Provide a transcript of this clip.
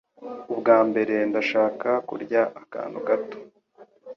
Ubwa mbere, ndashaka kurya akantu gato.